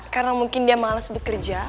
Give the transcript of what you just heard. karena mungkin dia males bekerja